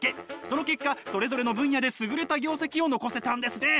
その結果それぞれの分野で優れた業績を残せたんですね！